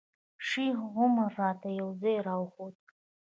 شیخ عمر راته یو ځای راوښود.